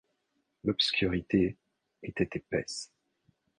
L’obscurité était épaisse.